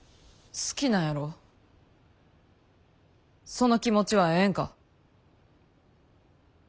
その気持ちはええんか。